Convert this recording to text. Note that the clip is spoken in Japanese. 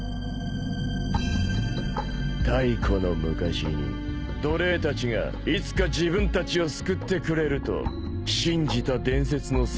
太古の昔に奴隷たちがいつか自分たちを救ってくれると信じた伝説の戦士だそうだ。